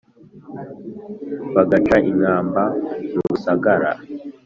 bagaca inkamba mu rusagara